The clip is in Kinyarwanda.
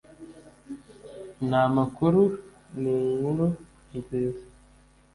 Nta makuru ni inkuru nziza